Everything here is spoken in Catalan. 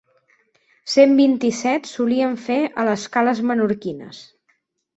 Cent vint-i-set solien fer a les cales menorquines.